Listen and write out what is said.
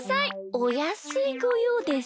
おやすいごようです。